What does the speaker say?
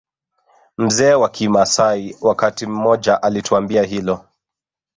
Mzee wa kimaasai wakati mmoja alituambia hilo